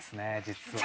実は。